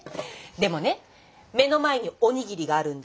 でもね目の前におにぎりがあるんだよ。